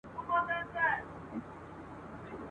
د اکټوبر پر اوومه نېټه !.